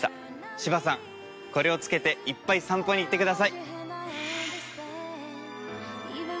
柴さんこれを着けていっぱい散歩に行ってください。